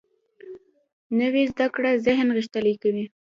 نوې زده کړه ذهن غښتلی کوي